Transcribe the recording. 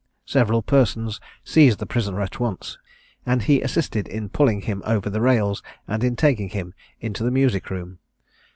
Several persons seized the prisoner at once, and he assisted in pulling him over the rails, and in taking him into the music room.